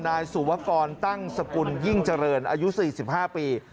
นายสุวะครตั้งสกุลยิ่งเจริญอายุสี่สิบห้าปี